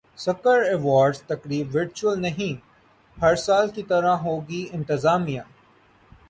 سکر awards تقریب virtual نہیں ہر سال کی طرح ہوگی انتظامیہ